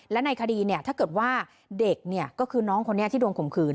และในคดีถ้าเกิดว่าเด็กก็คือน้องคนนี้ที่โดนข่มขืน